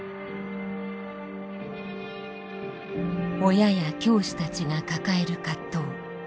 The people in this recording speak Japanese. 親や教師たちが抱える葛藤。